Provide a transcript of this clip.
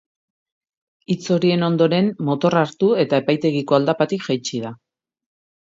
Hitz horien ondoren, motorra hartu eta epaitegiko aldapatik jaitsi da.